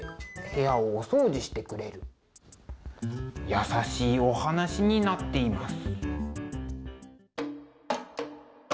優しいお話になっています。